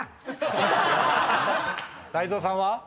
泰造さんは？